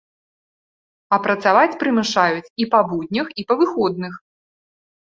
А працаваць прымушаюць і па буднях, і па выходных!